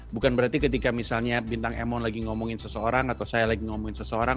bukan berarti ketika misalnya bintang emon lagi ngomongin seseorang atau saya lagi ngomongin seseorang